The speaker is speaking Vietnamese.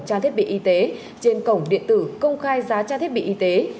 trang thiết bị y tế trên cổng điện tử công khai giá trang thiết bị y tế